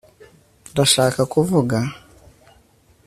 ndashaka kuvuga